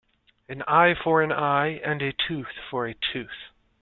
An eye for an eye and a tooth for a tooth.